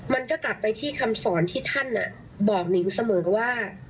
มันก็กลับไปที่คำสอนที่ท่านบอกนิงเสมอว่า